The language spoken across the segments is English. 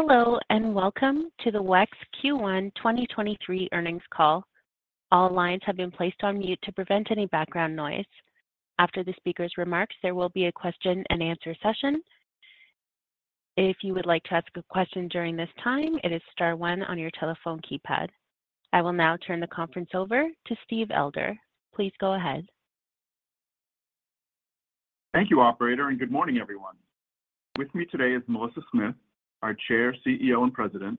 Hello, and welcome to the WEX Q1 2023 earnings call. All lines have been placed on mute to prevent any background noise. After the speaker's remarks, there will be a question and answer session. If you would like to ask a question during this time, it is star one on your telephone keypad. I will now turn the conference over to Steve Elder. Please go ahead. Thank you, operator, and good morning, everyone. With me today is Melissa Smith, our Chair, CEO and President,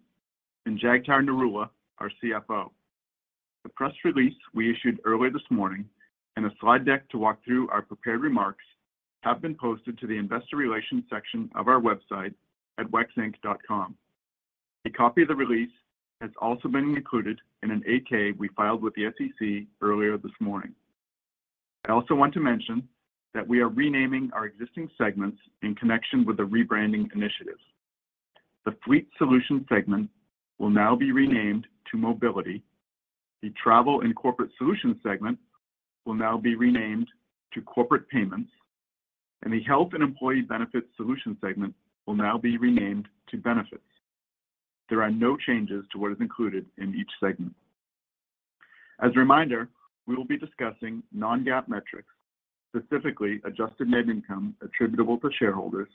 and Jagtar Narula, our CFO. The press release we issued earlier this morning and a slide deck to walk through our prepared remarks have been posted to the investor relations section of our website at wexinc.com. A copy of the release has also been included in an 8-K we filed with the SEC earlier this morning. I also want to mention that we are renaming our existing segments in connection with the rebranding initiative. The fleet solution segment will now be renamed to Mobility. The travel and corporate solution segment will now be renamed to Corporate Payments, and the health and employee benefits solution segment will now be renamed to Benefits. There are no changes to what is included in each segment. As a reminder, we will be discussing non-GAAP metrics, specifically adjusted net income attributable to shareholders,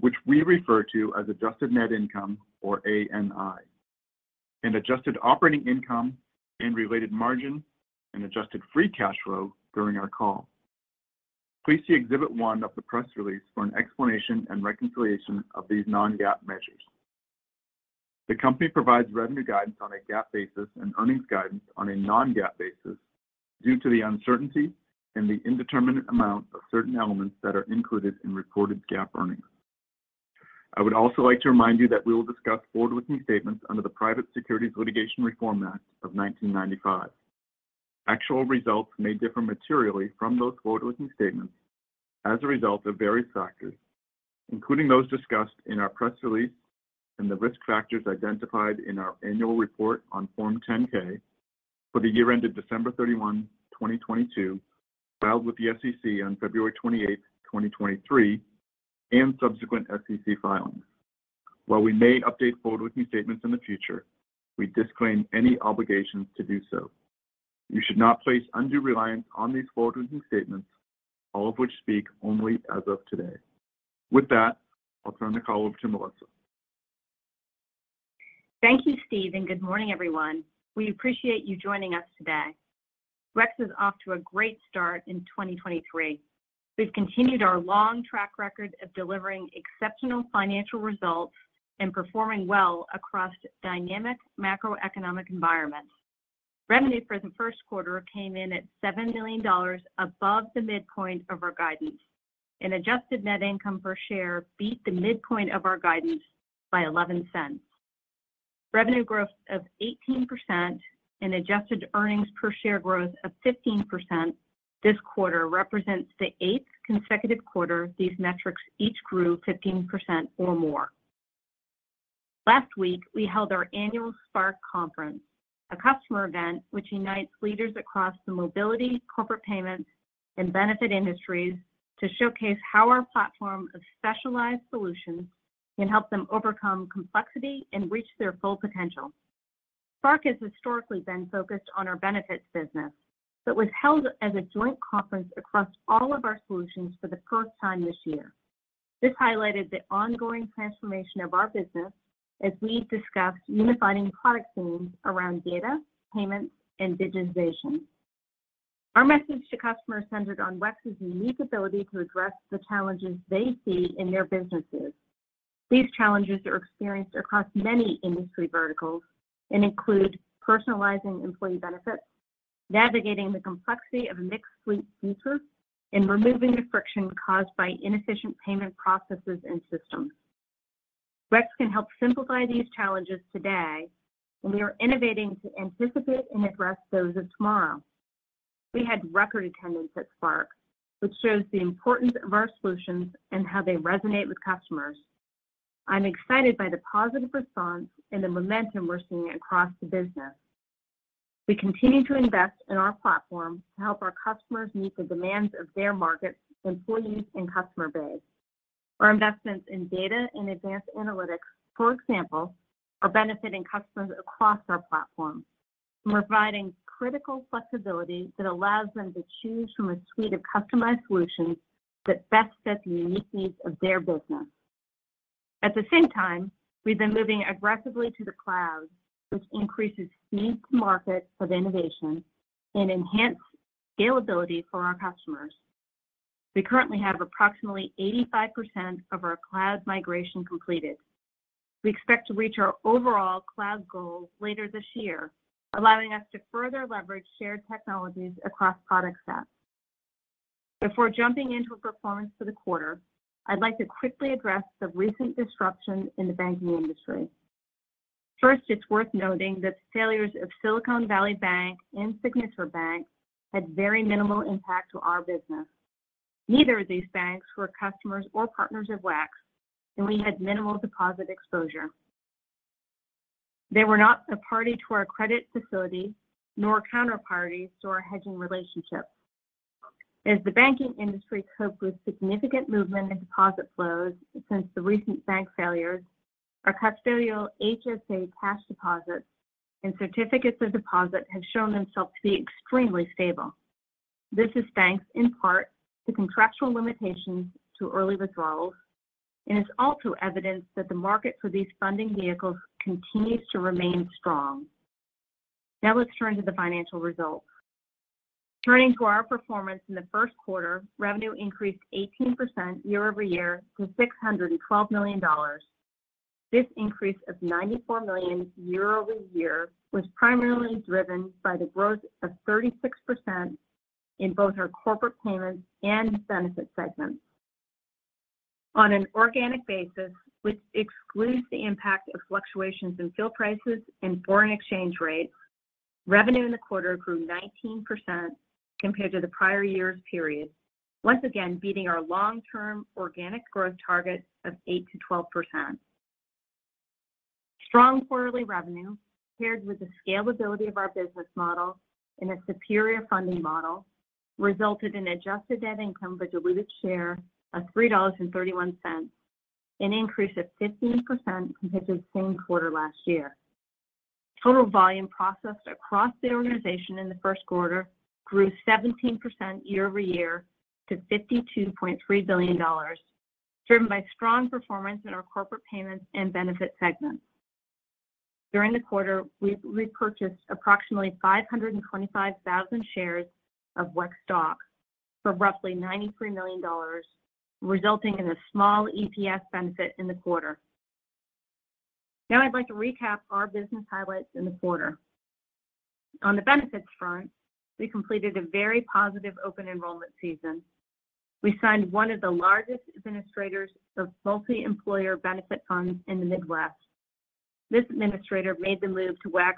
which we refer to as adjusted net income or ANI, and adjusted operating income and related margin and adjusted free cash flow during our call. Please see exhibit 1 of the press release for an explanation and reconciliation of these non-GAAP measures. The company provides revenue guidance on a GAAP basis and earnings guidance on a non-GAAP basis due to the uncertainty and the indeterminate amount of certain elements that are included in reported GAAP earnings. I would also like to remind you that we will discuss forward-looking statements under the Private Securities Litigation Reform Act of 1995. Actual results may differ materially from those forward-looking statements as a result of various factors, including those discussed in our press release and the risk factors identified in our annual report on Form 10-K for the year ended December 31, 2022, filed with the SEC on February 28, 2023, and subsequent SEC filings. While we may update forward-looking statements in the future, we disclaim any obligations to do so. You should not place undue reliance on these forward-looking statements, all of which speak only as of today. With that, I'll turn the call over to Melissa. Thank you, Steve, good morning, everyone. We appreciate you joining us today. WEX is off to a great start in 2023. We've continued our long track record of delivering exceptional financial results and performing well across dynamic macroeconomic environments. Revenue for the first quarter came in at $7 million above the midpoint of our guidance, and adjusted net income per share beat the midpoint of our guidance by $0.11. Revenue growth of 18% and adjusted earnings per share growth of 15% this quarter represents the eighth consecutive quarter these metrics each grew 15% or more. Last week, we held our annual SPARK Conference, a customer event which unites leaders across the mobility, corporate payments, and benefit industries to showcase how our platform of specialized solutions can help them overcome complexity and reach their full potential. Spark has historically been focused on our benefits business, but was held as a joint conference across all of our solutions for the first time this year. This highlighted the ongoing transformation of our business as we discussed unifying product themes around data, payments, and digitization. Our message to customers centered on WEX's unique ability to address the challenges they see in their businesses. These challenges are experienced across many industry verticals and include personalizing employee benefits, navigating the complexity of a mixed fleet future, and removing the friction caused by inefficient payment processes and systems. WEX can help simplify these challenges today, and we are innovating to anticipate and address those of tomorrow. We had record attendance at Spark, which shows the importance of our solutions and how they resonate with customers. I'm excited by the positive response and the momentum we're seeing across the business. We continue to invest in our platform to help our customers meet the demands of their markets, employees, and customer base. Our investments in data and advanced analytics, for example, are benefiting customers across our platform and providing critical flexibility that allows them to choose from a suite of customized solutions that best fit the unique needs of their business. At the same time, we've been moving aggressively to the cloud, which increases speed to market of innovation and enhanced scalability for our customers. We currently have approximately 85% of our cloud migration completed. We expect to reach our overall cloud goals later this year, allowing us to further leverage shared technologies across product sets. Before jumping into a performance for the quarter, I'd like to quickly address the recent disruption in the banking industry. First, it's worth noting that the failures of Silicon Valley Bank and Signature Bank had very minimal impact to our business. Neither of these banks were customers or partners of WEX, and we had minimal deposit exposure. They were not a party to our credit facility nor counterparties to our hedging relationship. As the banking industry coped with significant movement in deposit flows since the recent bank failures, our custodial HSA cash deposits and certificates of deposit have shown themselves to be extremely stable. This is thanks in part to contractual limitations to early withdrawals, and it's also evidence that the market for these funding vehicles continues to remain strong. Let's turn to the financial results. Turning to our performance in the first quarter, revenue increased 18% year-over-year to $612 million. This increase of $94 million year-over-year was primarily driven by the growth of 36% in both our corporate payments and benefits segments. On an organic basis, which excludes the impact of fluctuations in fuel prices and foreign exchange rates, revenue in the quarter grew 19% compared to the prior year's period, once again beating our long-term organic growth target of 8%-12%. Strong quarterly revenue paired with the scalability of our business model and a superior funding model resulted in adjusted net income per diluted share of $3.31, an increase of 15% compared to the same quarter last year. Total volume processed across the organization in the first quarter grew 17% year-over-year to $52.3 billion, driven by strong performance in our corporate payments and benefits segments. During the quarter, we repurchased approximately 525,000 shares of WEX stock for roughly $93 million, resulting in a small EPS benefit in the quarter. I'd like to recap our business highlights in the quarter. On the benefits front, we completed a very positive open enrollment season. We signed one of the largest administrators of multi-employer benefit funds in the Midwest. This administrator made the move to WEX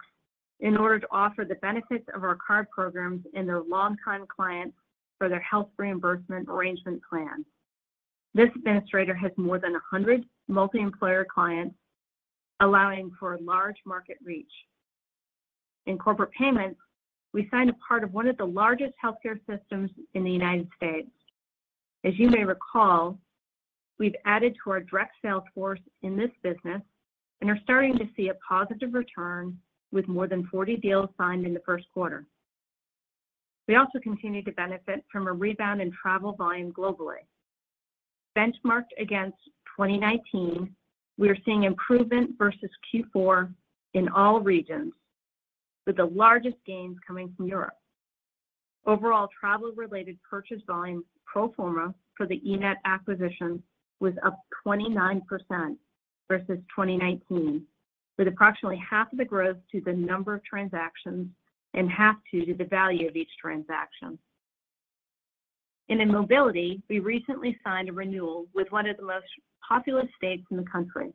in order to offer the benefits of our card programs and their long-time clients for their health reimbursement arrangement plan. This administrator has more than 100 multi-employer clients, allowing for a large market reach. In corporate payments, we signed a part of one of the largest healthcare systems in the United States. As you may recall, we've added to our direct sales force in this business and are starting to see a positive return with more than 40 deals signed in the 1st quarter. We also continue to benefit from a rebound in travel volume globally. Benchmarked against 2019, we are seeing improvement versus Q4 in all regions, with the largest gains coming from Europe. Overall, travel-related purchase volume pro forma for the eNett acquisition was up 29% versus 2019, with approximately half of the growth to the number of transactions and half to the value of each transaction. In mobility, we recently signed a renewal with one of the most populous states in the country,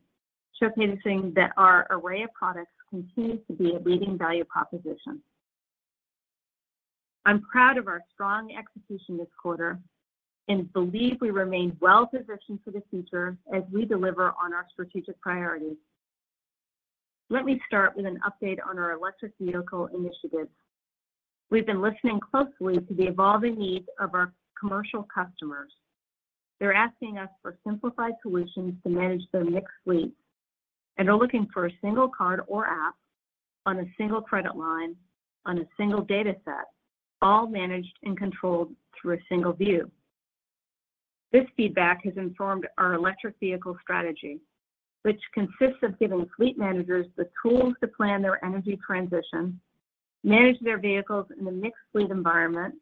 showcasing that our array of products continues to be a leading value proposition. I'm proud of our strong execution this quarter and believe we remain well-positioned for the future as we deliver on our strategic priorities. Let me start with an update on our electric vehicle initiatives. We've been listening closely to the evolving needs of our commercial customers. They're asking us for simplified solutions to manage their mixed fleets and are looking for a single card or app on a single credit line on a single data set, all managed and controlled through a single view. This feedback has informed our electric vehicle strategy, which consists of giving fleet managers the tools to plan their energy transition, manage their vehicles in the mixed fleet environment,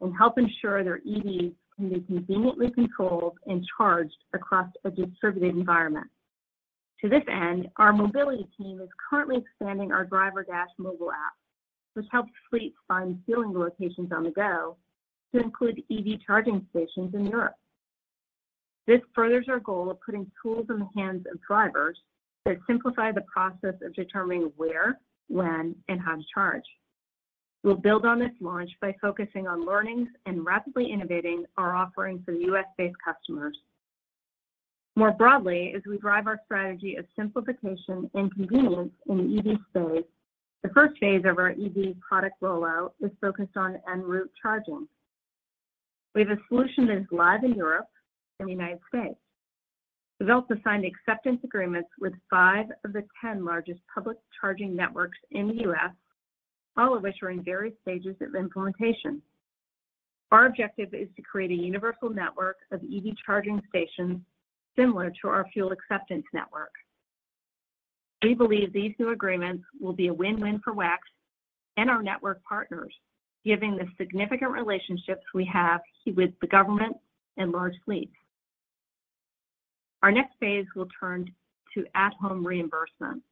and help ensure their EVs can be conveniently controlled and charged across a distributed environment. To this end, our mobility team is currently expanding our DriverDash mobile app, which helps fleets find fueling locations on the go, to include EV charging stations in Europe. This furthers our goal of putting tools in the hands of drivers that simplify the process of determining where, when, and how to charge. We'll build on this launch by focusing on learnings and rapidly innovating our offerings for U.S.-based customers. More broadly, as we drive our strategy of simplification and convenience in the EV space, the first phase of our EV product rollout is focused on en route charging. We have a solution that is live in Europe and the United States. We've also signed acceptance agreements with five of the 10 largest public charging networks in the U.S., all of which are in various stages of implementation. Our objective is to create a universal network of EV charging stations similar to our fuel acceptance network. We believe these new agreements will be a win-win for WEX and our network partners, given the significant relationships we have with the government and large fleets. Our next phase will turn to at-home reimbursement.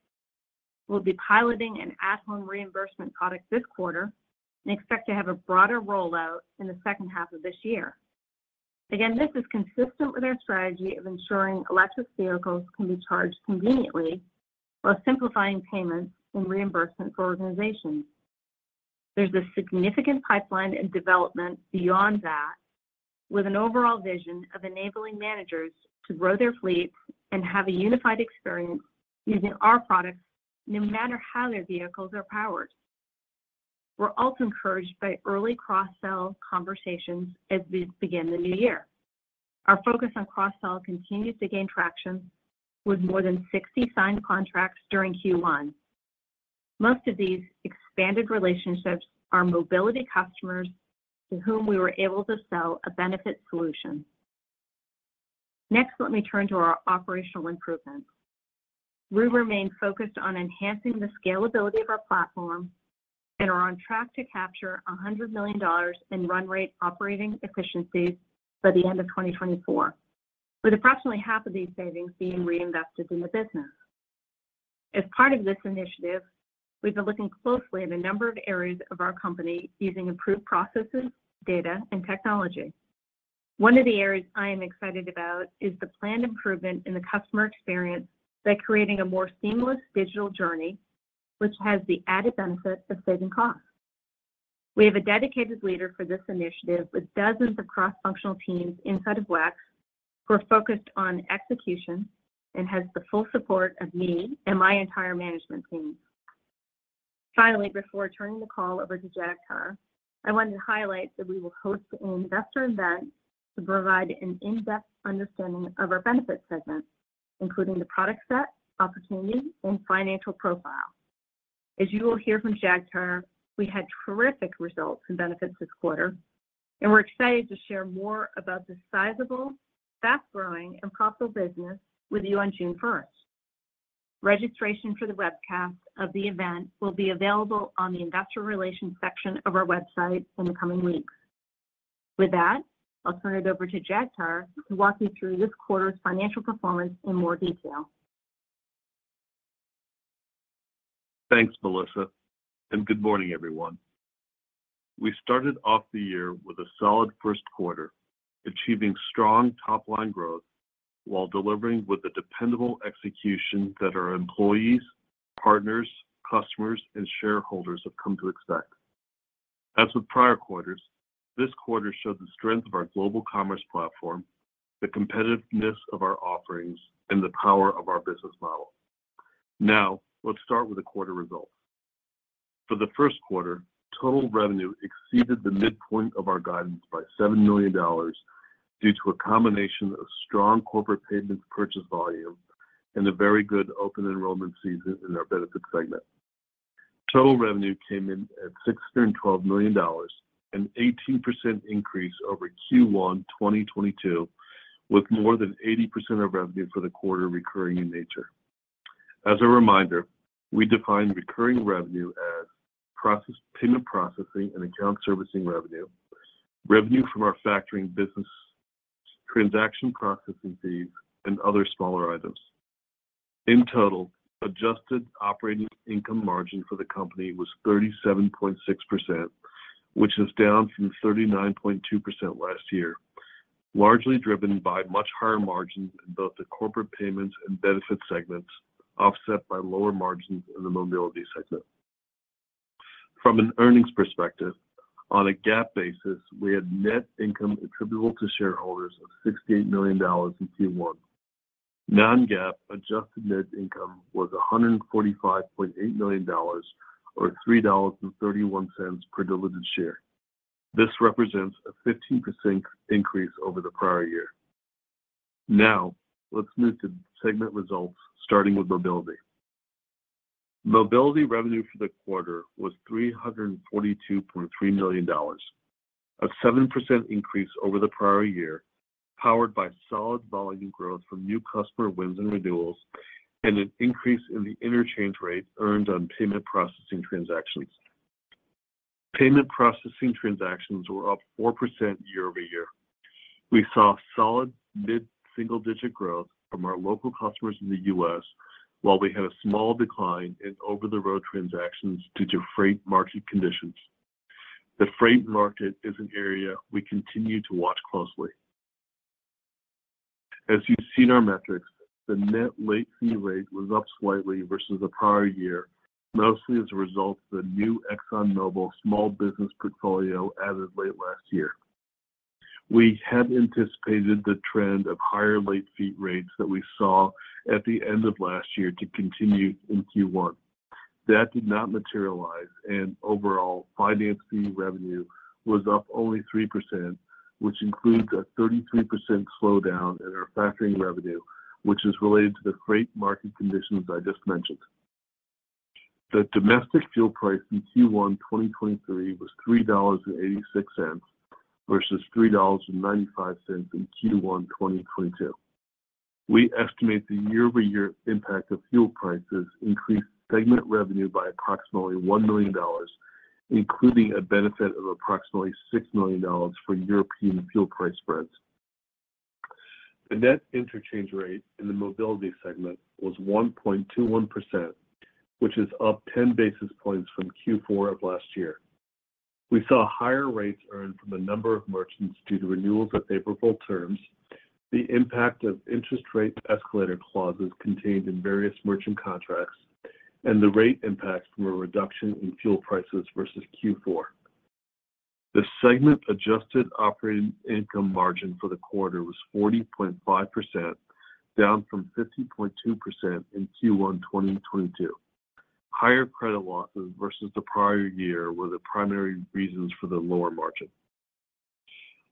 We'll be piloting an at-home reimbursement product this quarter and expect to have a broader rollout in the second half of this year. This is consistent with our strategy of ensuring electric vehicles can be charged conveniently while simplifying payments and reimbursement for organizations. There's a significant pipeline in development beyond that, with an overall vision of enabling managers to grow their fleets and have a unified experience using our products no matter how their vehicles are powered. We're also encouraged by early cross-sell conversations as we begin the new year. Our focus on cross-sell continues to gain traction with more than 60 signed contracts during Q1. Most of these expanded relationships are mobility customers to whom we were able to sell a benefit solution. Let me turn to our operational improvements. We remain focused on enhancing the scalability of our platform and are on track to capture $100 million in run rate operating efficiencies by the end of 2024, with approximately half of these savings being reinvested in the business. As part of this initiative, we've been looking closely at a number of areas of our company using improved processes, data, and technology. One of the areas I am excited about is the planned improvement in the customer experience by creating a more seamless digital journey, which has the added benefit of saving costs. We have a dedicated leader for this initiative with dozens of cross-functional teams inside of WEX who are focused on execution and has the full support of me and my entire management team. Finally, before turning the call over to Jagtar, I wanted to highlight that we will host an investor event to provide an in-depth understanding of our benefits segment, including the product set, opportunity, and financial profile. As you will hear from Jagtar, we had terrific results in benefits this quarter, and we're excited to share more about this sizable, fast-growing, and profitable business with you on June first. Registration for the webcast of the event will be available on the investor relations section of our website in the coming weeks. With that, I'll turn it over to Jagtar to walk you through this quarter's financial performance in more detail. Thanks, Melissa. Good morning, everyone. We started off the year with a solid first quarter, achieving strong top-line growth while delivering with the dependable execution that our employees, partners, customers, and shareholders have come to expect. As with prior quarters, this quarter showed the strength of our global commerce platform, the competitiveness of our offerings, and the power of our business model. Let's start with the quarter results. For the first quarter, total revenue exceeded the midpoint of our guidance by $7 million due to a combination of strong corporate payments purchase volume and a very good open enrollment season in our benefits segment. Total revenue came in at $612 million, an 18% increase over Q1 2022, with more than 80% of revenue for the quarter recurring in nature. As a reminder, we define recurring revenue as payment processing and account servicing revenue from our factoring business, transaction processing fees, and other smaller items. In total, adjusted operating income margin for the company was 37.6%, which is down from 39.2% last year, largely driven by much higher margins in both the corporate payments and benefits segments, offset by lower margins in the mobility segment. From an earnings perspective, on a GAAP basis, we had net income attributable to shareholders of $68 million in Q1. Non-GAAP adjusted net income was $145.8 million or $3.31 per diluted share. This represents a 15% increase over the prior year. Let's move to segment results, starting with mobility. Mobility revenue for the quarter was $342.3 million, a 7% increase over the prior year, powered by solid volume growth from new customer wins and renewals, and an increase in the interchange rate earned on payment processing transactions. Payment processing transactions were up 4% year-over-year. We saw solid mid-single digit growth from our local customers in the U.S., while we had a small decline in over-the-road transactions due to freight market conditions. The freight market is an area we continue to watch closely. As you've seen our metrics, the net late fee rate was up slightly versus the prior year, mostly as a result of the new ExxonMobil small business portfolio added late last year. We had anticipated the trend of higher late fee rates that we saw at the end of last year to continue in Q1. That did not materialize. Overall, finance fee revenue was up only 3%, which includes a 33% slowdown in our factoring revenue, which is related to the freight market conditions I just mentioned. The domestic fuel price in Q1 2023 was $3.86 versus $3.95 in Q1 2022. We estimate the year-over-year impact of fuel prices increased segment revenue by approximately $1 million, including a benefit of approximately $6 million for European fuel price spreads. The net interchange rate in the mobility segment was 1.21%, which is up 10 basis points from Q4 of last year. We saw higher rates earned from a number of merchants due to renewals at favorable terms. The impact of interest rate escalator clauses contained in various merchant contracts and the rate impact from a reduction in fuel prices versus Q4. The segment adjusted operating income margin for the quarter was 40.5%, down from 50.2% in Q1 2022. Higher credit losses versus the prior year were the primary reasons for the lower margin.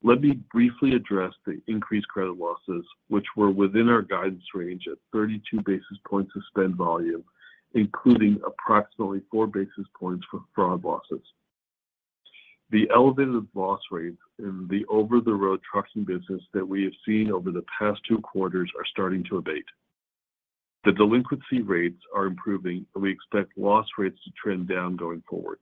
Let me briefly address the increased credit losses, which were within our guidance range at 32 basis points of spend volume, including approximately 4 basis points for fraud losses. The elevated loss rates in the OTR trucking business that we have seen over the past two quarters are starting to abate. The delinquency rates are improving, and we expect loss rates to trend down going forward.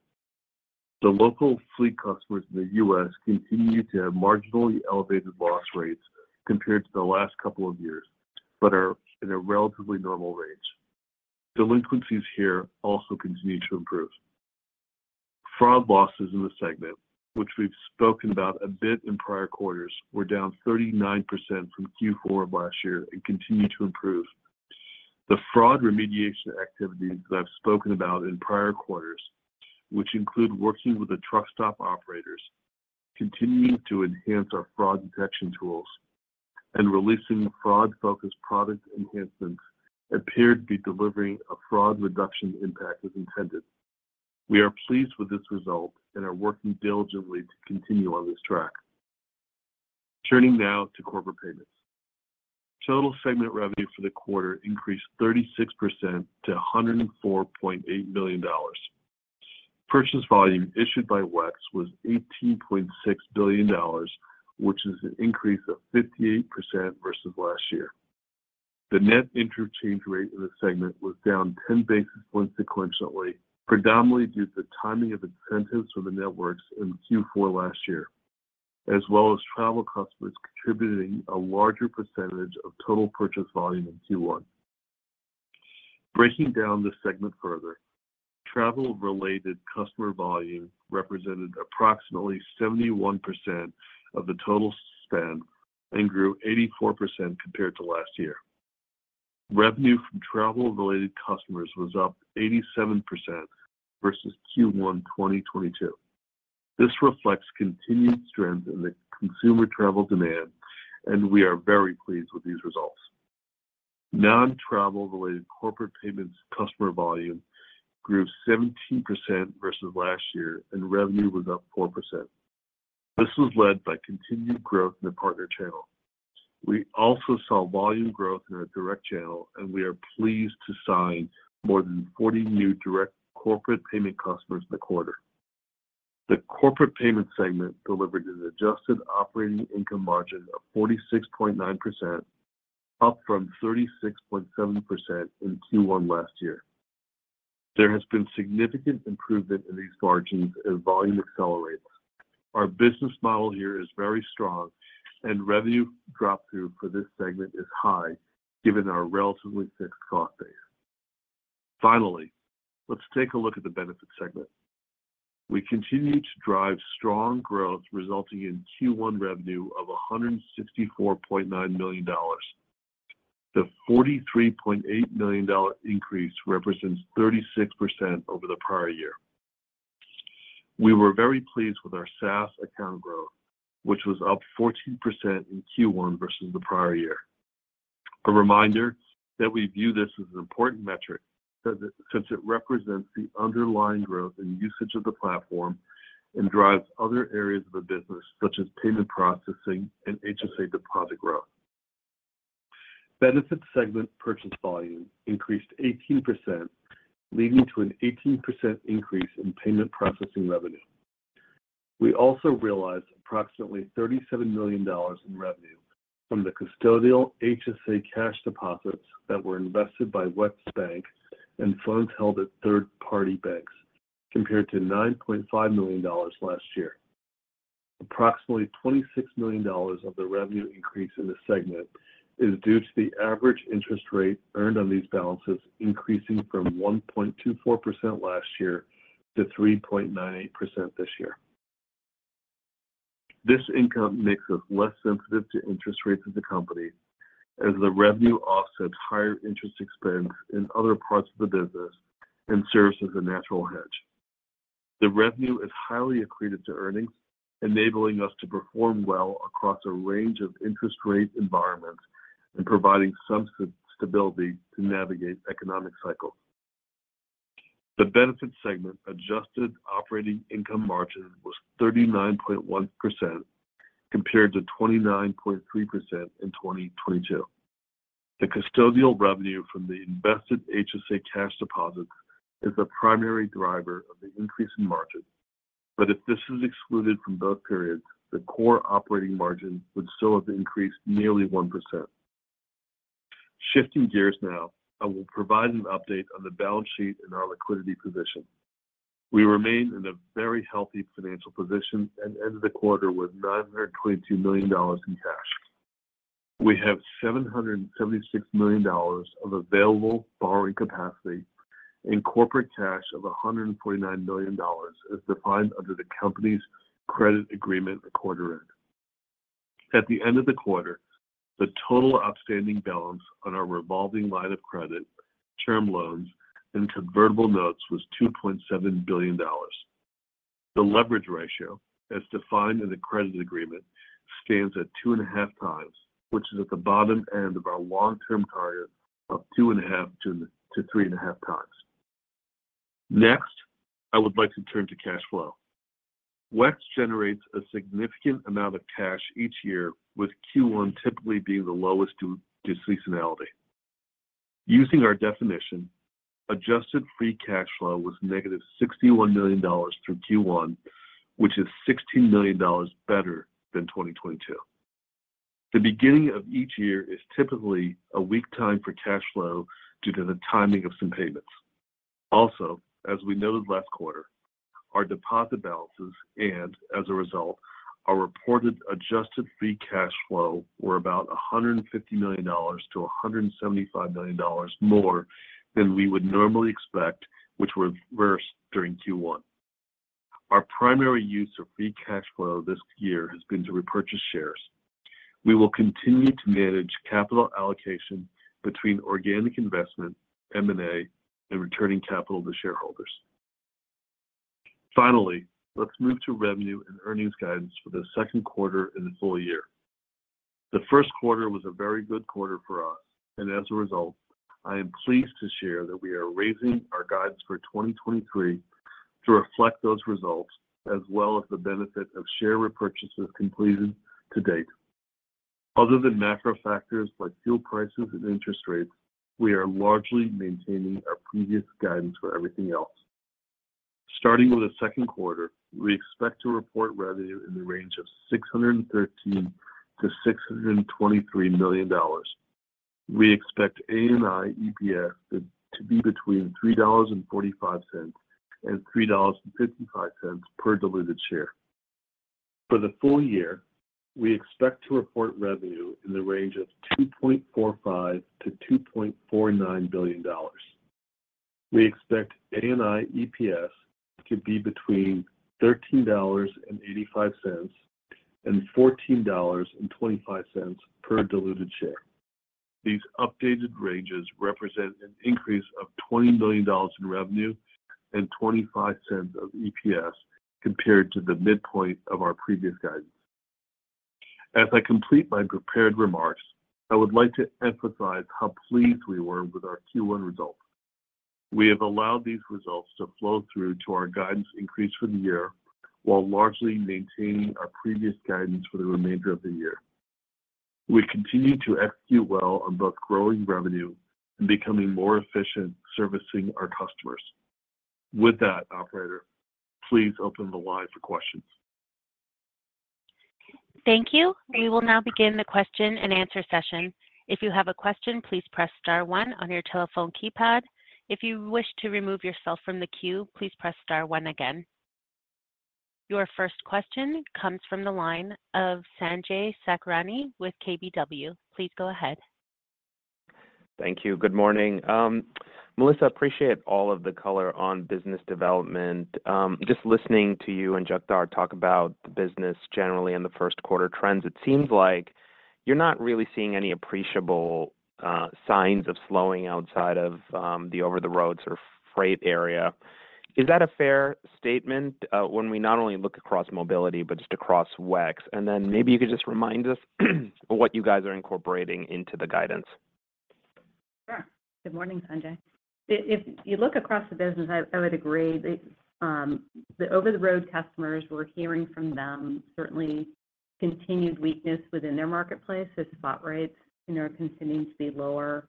The local fleet customers in the U.S. continue to have marginally elevated loss rates compared to the last couple of years, but are in a relatively normal range. Delinquencies here also continue to improve. Fraud losses in the segment, which we've spoken about a bit in prior quarters, were down 39% from Q4 of last year and continue to improve. The fraud remediation activities that I've spoken about in prior quarters, which include working with the truck stop operators, continuing to enhance our fraud detection tools, and releasing fraud-focused product enhancements appear to be delivering a fraud reduction impact as intended. We are pleased with this result and are working diligently to continue on this track. Turning now to corporate payments. Total segment revenue for the quarter increased 36% to $104.8 million. Purchase volume issued by WEX was $18.6 billion, which is an increase of 58% versus last year. The net interchange rate in the segment was down 10 basis points sequentially, predominantly due to the timing of incentives for the networks in Q4 last year, as well as travel customers contributing a larger percentage of total purchase volume in Q1. Breaking down this segment further, travel-related customer volume represented approximately 71% of the total spend and grew 84% compared to last year. Revenue from travel-related customers was up 87% versus Q1 2022. This reflects continued strength in the consumer travel demand. We are very pleased with these results. Non-travel-related corporate payments customer volume grew 17% versus last year. Revenue was up 4%. This was led by continued growth in the partner channel. We also saw volume growth in our direct channel. We are pleased to sign more than 40 new direct corporate payment customers in the quarter. The corporate payment segment delivered an adjusted operating income margin of 46.9%, up from 36.7% in Q1 last year. There has been significant improvement in these margins as volume accelerates. Our business model here is very strong and revenue drop-through for this segment is high given our relatively fixed cost base. Finally, let's take a look at the benefits segment. We continue to drive strong growth resulting in Q1 revenue of $164.9 million. The $43.8 million increase represents 36% over the prior year. We were very pleased with our SaaS account growth, which was up 14% in Q1 versus the prior year. A reminder that we view this as an important metric since it represents the underlying growth and usage of the platform and drives other areas of the business, such as payment processing and HSA deposit growth. Benefits segment purchase volume increased 18%, leading to an 18% increase in payment processing revenue. We also realized approximately $37 million in revenue from the custodial HSA cash deposits that were invested by WEX Bank and funds held at third-party banks, compared to $9.5 million last year. Approximately $26 million of the revenue increase in this segment is due to the average interest rate earned on these balances increasing from 1.24% last year to 3.98% this year. This income makes us less sensitive to interest rates as a company, as the revenue offsets higher interest expense in other parts of the business and serves as a natural hedge. The revenue is highly accretive to earnings, enabling us to perform well across a range of interest rate environments and providing some stability to navigate economic cycles. The benefit segment adjusted operating income margin was 39.1% compared to 29.3% in 2022. The custodial revenue from the invested HSA cash deposits is the primary driver of the increase in margin. If this is excluded from both periods, the core operating margin would still have increased nearly 1%. Shifting gears now, I will provide an update on the balance sheet and our liquidity position. We remain in a very healthy financial position and ended the quarter with $922 million in cash. We have $776 million of available borrowing capacity. In corporate cash of $149 million as defined under the company's credit agreement at quarter end. At the end of the quarter, the total outstanding balance on our revolving line of credit, term loans, and convertible notes was $2.7 billion. The leverage ratio, as defined in the credit agreement, stands at 2.5 times, which is at the bottom end of our long-term target of 2.5-3.5 times. Next, I would like to turn to cash flow. WEX generates a significant amount of cash each year, with Q1 typically being the lowest due to seasonality. Using our definition, adjusted free cash flow was negative $61 million through Q1, which is $16 million better than 2022. The beginning of each year is typically a weak time for cash flow due to the timing of some payments. Also, as we noted last quarter, our deposit balances and, as a result, our reported adjusted free cash flow were about $150 million-$175 million more than we would normally expect, which reversed during Q1. Our primary use of free cash flow this year has been to repurchase shares. We will continue to manage capital allocation between organic investment, M&A, and returning capital to shareholders. Finally, let's move to revenue and earnings guidance for the second quarter and the full year. The first quarter was a very good quarter for us, as a result, I am pleased to share that we are raising our guidance for 2023 to reflect those results, as well as the benefit of share repurchases completed to date. Other than macro factors like fuel prices and interest rates, we are largely maintaining our previous guidance for everything else. Starting with the second quarter, we expect to report revenue in the range of $613 million-$623 million. We expect ANI EPS to be between $3.45 and $3.55 per diluted share. For the full year, we expect to report revenue in the range of $2.45 billion-$2.49 billion. We expect ANI EPS to be between $13.85 and $14.25 per diluted share. These updated ranges represent an increase of $20 million in revenue and $0.25 of EPS compared to the midpoint of our previous guidance. As I complete my prepared remarks, I would like to emphasize how pleased we were with our Q1 results. We have allowed these results to flow through to our guidance increase for the year, while largely maintaining our previous guidance for the remainder of the year. We continue to execute well on both growing revenue and becoming more efficient servicing our customers. With that, operator, please open the line for questions. Thank you. We will now begin the question and answer session. If you have a question, please press star 1 on your telephone keypad. If you wish to remove yourself from the queue, please press star 1 again. Your first question comes from the line of Sanjay Sakhrani with KBW. Please go ahead. Thank you. Good morning. Melissa, appreciate all of the color on business development. Just listening to you and Jagtar talk about the business generally and the first quarter trends, it seems like you're not really seeing any appreciable signs of slowing outside of the over-the-road sort of freight area. Is that a fair statement when we not only look across mobility but just across WEX? Then maybe you could just remind us what you guys are incorporating into the guidance. Sure. Good morning, Sanjay. If you look across the business, I would agree. The over-the-road customers, we're hearing from them certainly continued weakness within their marketplace as spot rates, you know, are continuing to be lower.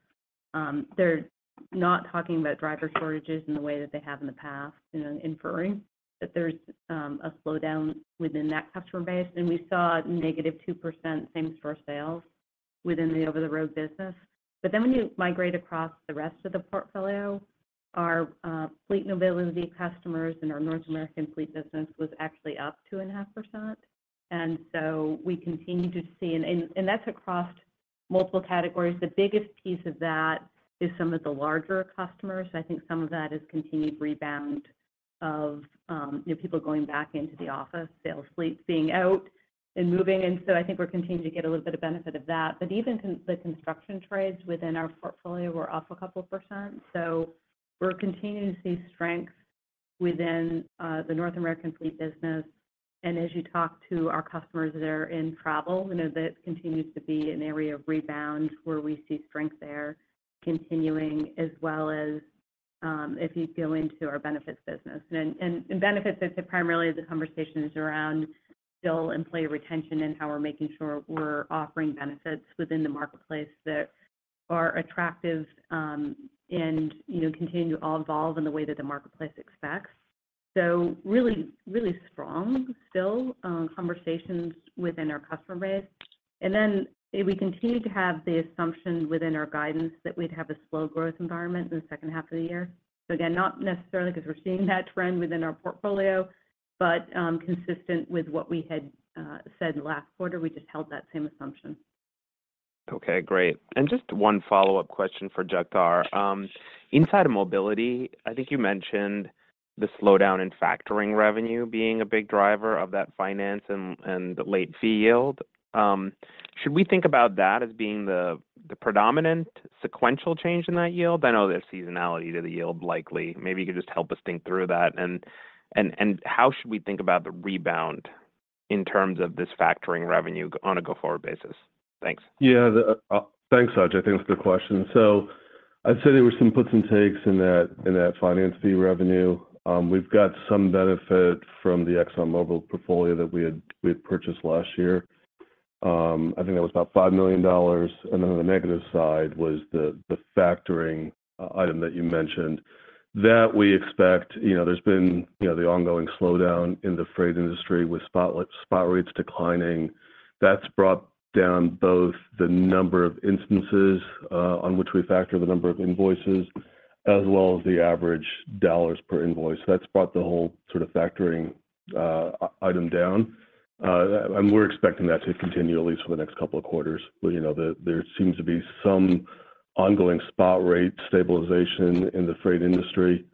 They're not talking about driver shortages in the way that they have in the past, you know, inferring that there's a slowdown within that customer base. We saw negative 2% same store sales within the over-the-road business. When you migrate across the rest of the portfolio, our fleet mobility customers and our North American fleet business was actually up 2.5%. That's across multiple categories. The biggest piece of that is some of the larger customers. I think some of that is continued rebound of, you know, people going back into the office, sales fleets being out and moving. I think we're continuing to get a little bit of benefit of that. Even the construction trades within our portfolio were up a couple %. We're continuing to see strength within the North American fleet business. As you talk to our customers that are in travel, you know, that continues to be an area of rebound where we see strength there continuing, as well as, if you go into our benefits business. Benefits, it's primarily the conversation is around still employee retention and how we're making sure we're offering benefits within the marketplace that are attractive, and, you know, continue to evolve in the way that the marketplace expects. Really, really strong still, conversations within our customer base. We continue to have the assumption within our guidance that we'd have a slow growth environment in the second half of the year. Again, not necessarily because we're seeing that trend within our portfolio, but consistent with what we had said last quarter, we just held that same assumption. Okay, great. Just one follow-up question for Jagtar. Inside of mobility, I think you mentioned the slowdown in factoring revenue being a big driver of that finance and the late fee yield. Should we think about that as being the predominant sequential change in that yield? I know there's seasonality to the yield, likely. Maybe you could just help us think through that and how should we think about the rebound in terms of this factoring revenue on a go-forward basis? Thanks. Yeah. Thanks, Saj. I think it's a good question. I'd say there were some puts and takes in that, in that finance fee revenue. We've got some benefit from the ExxonMobil portfolio that we had purchased last year. I think that was about $5 million. On the negative side was the factoring item that you mentioned. That we expect... You know, there's been, you know, the ongoing slowdown in the freight industry with spot rates declining. That's brought down both the number of instances on which we factor the number of invoices, as well as the average dollars per invoice. That's brought the whole sort of factoring item down. We're expecting that to continue at least for the next couple of quarters. you know, there seems to be some ongoing spot rate stabilization in the freight industry,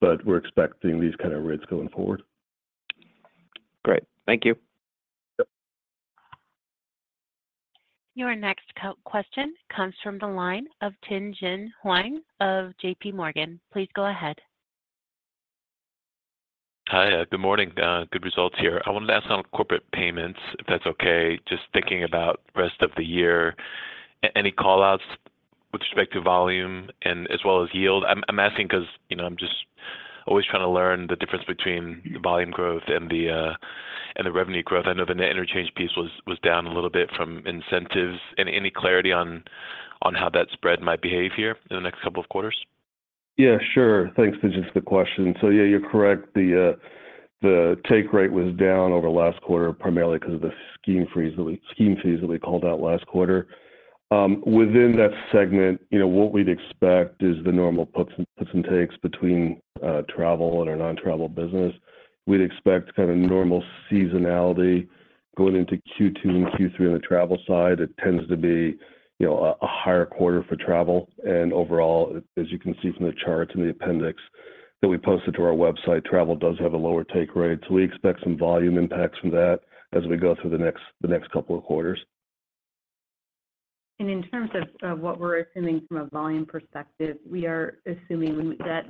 but we're expecting these kind of rates going forward. Great. Thank you. Yep. Your next question comes from the line of Tien-Tsin Huang of JPMorgan. Please go ahead. Hi. Good morning. Good results here. I wanted to ask on corporate payments, if that's okay, just thinking about rest of the year. Any callouts with respect to volume and as well as yield? I'm asking because, you know, I'm just always trying to learn the difference between the volume growth and the and the revenue growth. I know the net interchange piece was down a little bit from incentives. Any clarity on how that spread might behave here in the next couple of quarters? Sure. Thanks, Tien-Tsin Huang. It's a good question. You're correct. The take rate was down over last quarter, primarily because of the scheme fees that we called out last quarter. Within that segment, you know, what we'd expect is the normal puts and takes between travel and our non-travel business. We'd expect kind of normal seasonality going into Q2 and Q3 on the travel side. It tends to be, you know, a higher quarter for travel. Overall, as you can see from the charts in the appendix that we posted to our website, travel does have a lower take rate. We expect some volume impacts from that as we go through the next couple of quarters. in terms of what we're assuming from a volume perspective, we are assuming that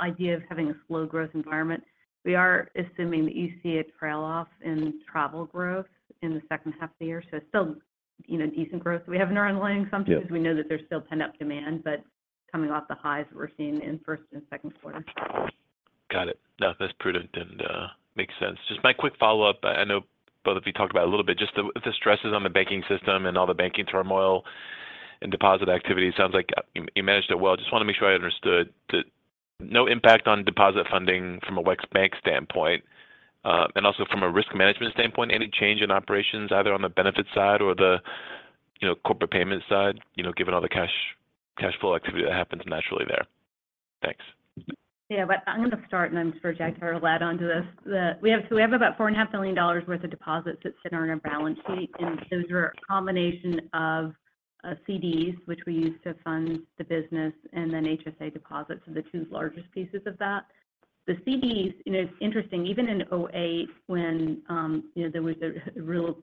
idea of having a slow growth environment. We are assuming that you see a trail off in travel growth in the second half of the year. it's still, you know, decent growth we have in our underlying assumptions. Yeah. We know that there's still pent-up demand, but coming off the highs that we're seeing in first and second quarter. Got it. No, that's prudent and makes sense. Just my quick follow-up. I know both of you talked about a little bit just the stresses on the banking system and all the banking turmoil and deposit activity. It sounds like you managed it well. Just wanna make sure I understood that no impact on deposit funding from a WEX Bank standpoint. And also from a risk management standpoint, any change in operations, either on the benefit side or the, you know, corporate payment side, you know, given all the cash flow activity that happens naturally there? Thanks. Yeah. I'm going to start for Jagtar to add onto this. We have about $4.5 million worth of deposits that sit on our balance sheet. Those are a combination of CDs, which we use to fund the business, and then HSA deposits are the two largest pieces of that. The CDs, you know, it's interesting, even in 2008 when, you know, there was a real,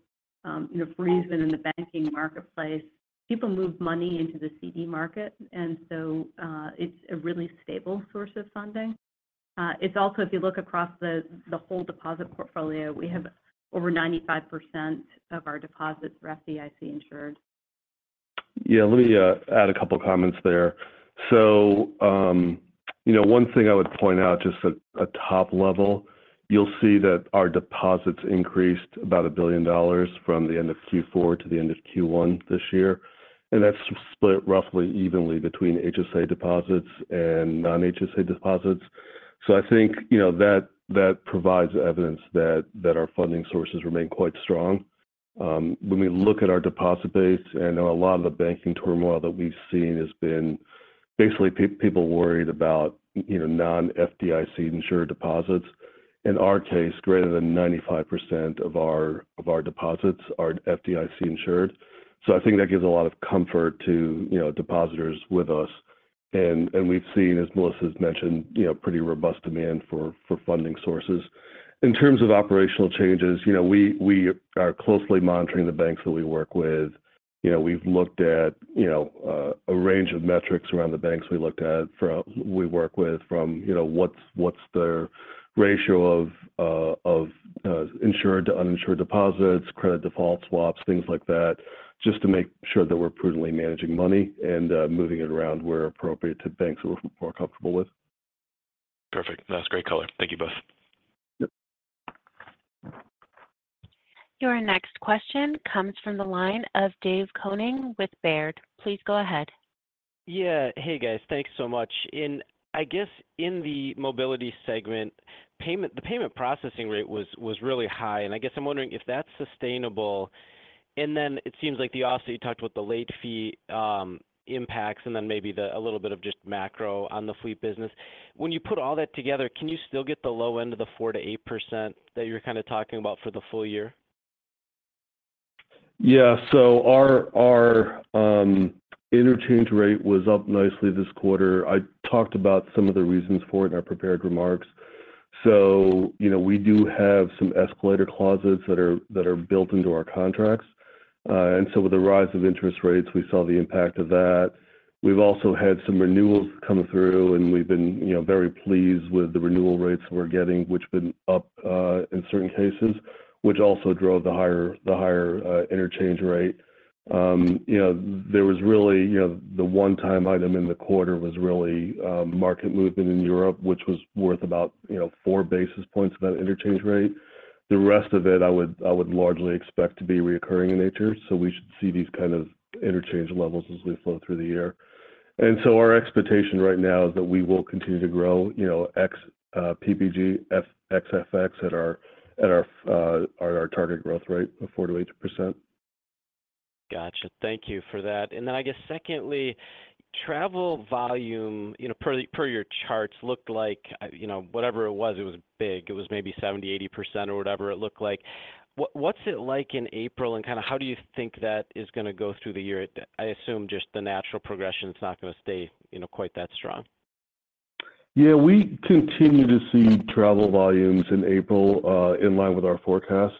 you know, freeze within the banking marketplace, people moved money into the CD market. It's a really stable source of funding. It's also, if you look across the whole deposit portfolio, we have over 95% of our deposits are FDIC insured. Yeah. Let me add a couple of comments there. You know, one thing I would point out just at top level, you'll see that our deposits increased about $1 billion from the end of Q4 to the end of Q1 this year. That's split roughly evenly between HSA deposits and non-HSA deposits. I think, you know, that provides evidence that our funding sources remain quite strong. When we look at our deposit base, I know a lot of the banking turmoil that we've seen has been basically people worried about, you know, non-FDIC insured deposits. In our case, greater than 95% of our deposits are FDIC insured. I think that gives a lot of comfort to, you know, depositors with us. We've seen, as Melissa's mentioned, you know, pretty robust demand for funding sources. In terms of operational changes, you know, we are closely monitoring the banks that we work with. You know, we've looked at, you know, a range of metrics around the banks we work with from, you know, what's their ratio of insured to uninsured deposits, credit default swaps, things like that, just to make sure that we're prudently managing money and moving it around where appropriate to banks that we're more comfortable with. Perfect. That's great color. Thank you both. Yep. Your next question comes from the line of David Koning with Baird. Please go ahead. Yeah. Hey, guys. Thanks so much. I guess in the mobility segment, the payment processing rate was really high, and I guess I'm wondering if that's sustainable. It seems like also you talked about the late fee impacts and then maybe a little bit of just macro on the fleet business. When you put all that together, can you still get the low end of the 4%-8% that you're kinda talking about for the full year? Yeah. Our interchange rate was up nicely this quarter. I talked about some of the reasons for it in our prepared remarks. You know, we do have some escalator clauses that are built into our contracts. With the rise of interest rates, we saw the impact of that. We've also had some renewals come through, and we've been, you know, very pleased with the renewal rates we're getting, which have been up in certain cases, which also drove the higher interchange rate. You know, there was really, you know, the one-time item in the quarter was really market movement in Europe, which was worth about, you know, 4 basis points of that interchange rate. The rest of it, I would largely expect to be reoccurring in nature, so we should see these kind of interchange levels as we flow through the year. Our expectation right now is that we will continue to grow, you know, ex PPG, ex FX at our target growth rate of 4%-8%. Gotcha. Thank you for that. I guess secondly, travel volume, you know, per your charts looked like, you know, whatever it was, it was big. It was maybe 70%-80% or whatever it looked like. What's it like in April? Kinda how do you think that is gonna go through the year? I assume just the natural progression's not gonna stay, you know, quite that strong. We continue to see travel volumes in April, in line with our forecast.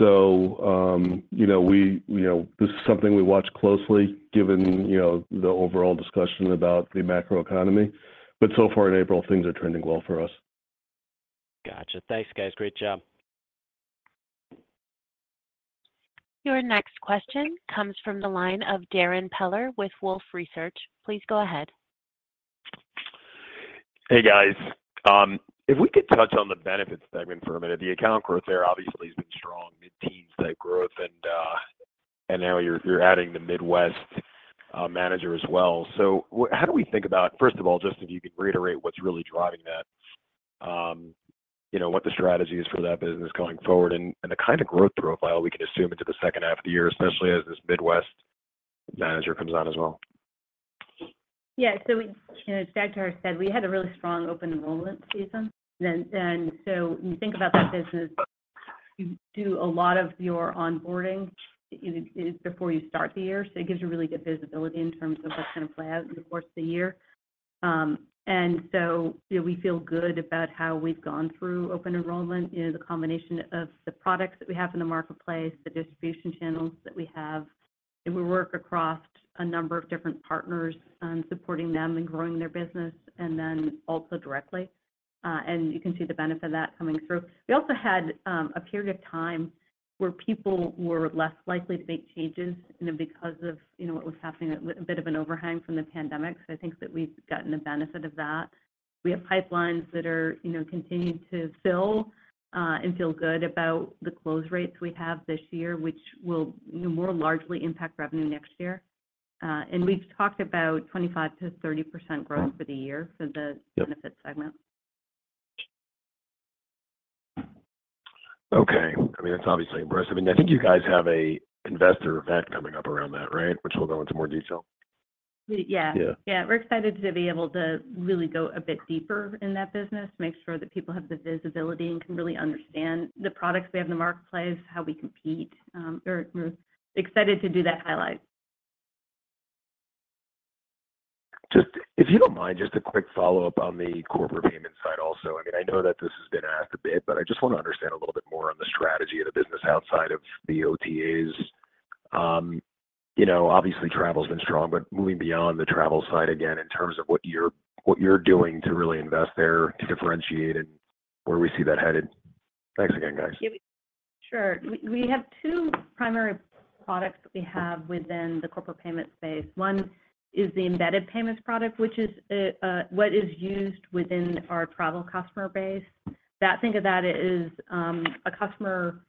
You know, we, you know, this is something we watch closely given, you know, the overall discussion about the macroeconomy. So far in April, things are trending well for us. Gotcha. Thanks, guys. Great job. Your next question comes from the line of Darrin Peller with Wolfe Research. Please go ahead. Hey, guys. If we could touch on the benefits segment for a minute, the account growth there obviously has been strong, mid-teens type growth, and now you're adding the Midwest manager as well. How do we think about, first of all, just if you could reiterate what's really driving that, you know, what the strategy is for that business going forward and the kind of growth profile we can assume into the second half of the year, especially as this Midwest manager comes on as well? You know, as Doug Harris said, we had a really strong open enrollment season. When you think about that business, you do a lot of your onboarding, you know, is before you start the year. It gives you really good visibility in terms of what's gonna play out through the course of the year. You know, we feel good about how we've gone through open enrollment, you know, the combination of the products that we have in the marketplace, the distribution channels that we have. We work across a number of different partners, supporting them and growing their business and then also directly. You can see the benefit of that coming through. We also had a period of time where people were less likely to make changes, you know, because of, you know, what was happening, a bit of an overhang from the pandemic. I think that we've gotten the benefit of that. We have pipelines that are, you know, continuing to fill, and feel good about the close rates we have this year, which will, you know, more largely impact revenue next year. And we've talked about 25%-30% growth for the year for the- Yep... benefits segment. Okay. I mean, that's obviously impressive. I think you guys have a investor event coming up around that, right? Which will go into more detail. Yeah. Yeah. Yeah. We're excited to be able to really go a bit deeper in that business, make sure that people have the visibility and can really understand the products we have in the marketplace, how we compete. We're excited to do that highlight. Just if you don't mind, just a quick follow-up on the corporate payment side also. I mean, I know that this has been asked a bit, but I just want to understand a little bit more on the strategy of the business outside of the OTAs. You know, obviously, travel's been strong, but moving beyond the travel side again, in terms of what you're doing to really invest there to differentiate and where we see that headed. Thanks again, guys. Yeah, sure. We have two primary products that we have within the corporate payment space. One is the embedded payments product, which is what is used within our travel customer base. Think of that as a customer,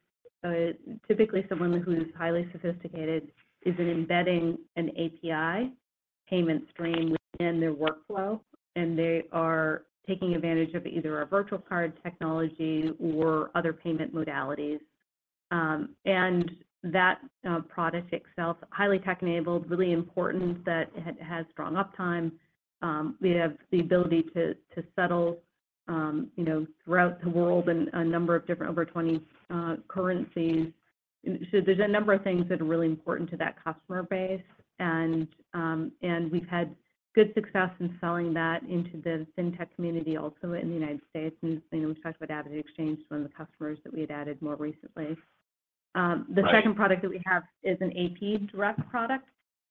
typically someone who's highly sophisticated, is embedding an API payment stream within their workflow, and they are taking advantage of either our virtual card technology or other payment modalities. And that product itself, highly tech-enabled, really important that it has strong uptime. We have the ability to settle, you know, throughout the world in a number of different over 20 currencies. There's a number of things that are really important to that customer base. We've had good success in selling that into the fintech community also in the United States. You know, we talked about Avenu Exchange, one of the customers that we had added more recently. Right... the second product that we have is an AP direct product,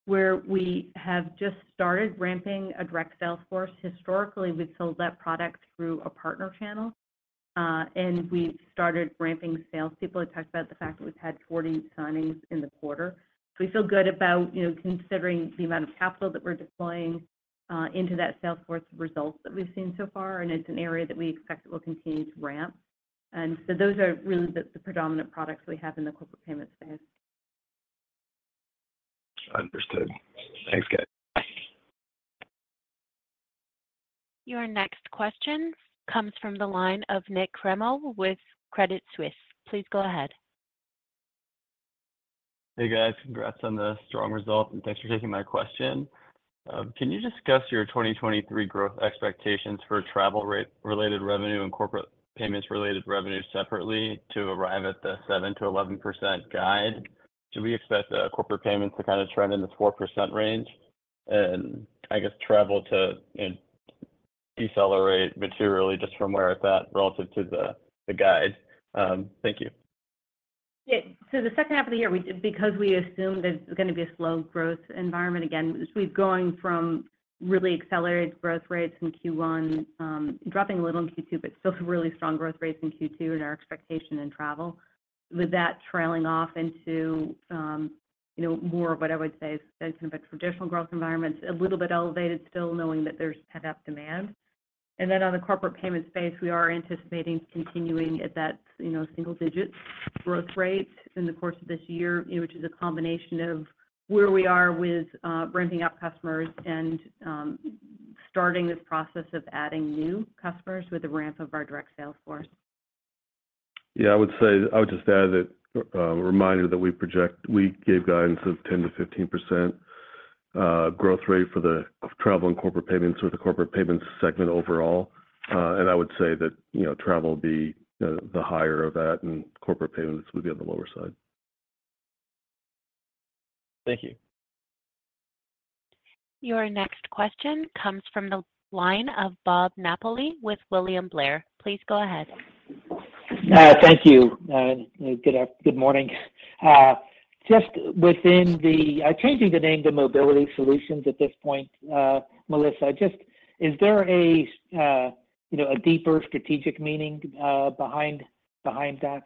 where we have just started ramping a direct sales force. Historically, we've sold that product through a partner channel. We started ramping sales people. I talked about the fact that we've had 40 signings in the quarter. We feel good about, you know, considering the amount of capital that we're deploying, into that sales force, the results that we've seen so far, and it's an area that we expect it will continue to ramp. Those are really the predominant products we have in the corporate payment space. Understood. Thanks, guys. Your next question comes from the line of Nik Cremo with Credit Suisse. Please go ahead. Hey, guys. Congrats on the strong results, and thanks for taking my question. Can you discuss your 2023 growth expectations for travel related revenue and corporate payments related revenue separately to arrive at the 7%-11% guide? Should we expect corporate payments to kind of trend in the 4% range? I guess travel to, you know, decelerate materially just from where it's at relative to the guide. Thank you. Yeah. The second half of the year, because we assume there's going to be a slow growth environment again, as we've gone from really accelerated growth rates in Q1, dropping a little in Q2, but still some really strong growth rates in Q2 in our expectation in travel. With that trailing off into, you know, more of what I would say is kind of a traditional growth environment, a little bit elevated still knowing that there's pent-up demand. On the corporate payment space, we are anticipating continuing at that, you know, single-digit growth rate in the course of this year, you know, which is a combination of where we are with ramping up customers and starting this process of adding new customers with the ramp of our direct sales force. I would just add that, reminder that we gave guidance of 10%-15% growth rate of travel and corporate payments or the corporate payments segment overall. I would say that, you know, travel would be the higher of that, and corporate payments would be on the lower side. Thank you. Your next question comes from the line of Robert Napoli with William Blair. Please go ahead. Thank you. Good morning. Just changing the name to Mobility Solutions at this point, Melissa, is there a, you know, a deeper strategic meaning behind that?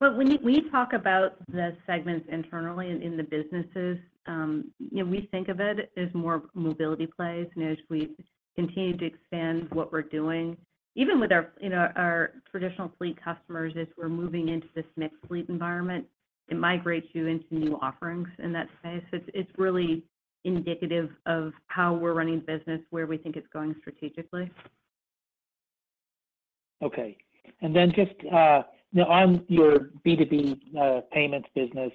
Well, when we talk about the segments internally in the businesses, you know, we think of it as more mobility plays. As we continue to expand what we're doing, even with our, you know, our traditional fleet customers, as we're moving into this mixed fleet environment, it migrates you into new offerings in that space. It's really indicative of how we're running the business, where we think it's going strategically. Okay. Just, you know, on your B2B payments business,